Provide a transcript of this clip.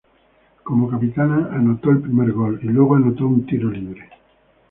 Como capitana, anotó el primer gol y luego anotó un tiro libre.